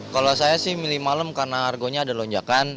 kalau saya sih milih malam karena harganya ada lonjakan